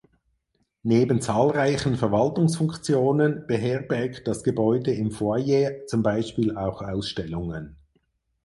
Neben zahlreichen Verwaltungsfunktionen beherbergt das Gebäude im Foyer zum Beispiel auch Ausstellungen.